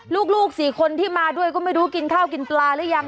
ลูก๔คนที่มาด้วยก็ไม่รู้กินข้าวกินปลาหรือยัง